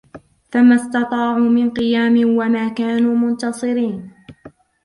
فما استطاعوا من قيام وما كانوا منتصرين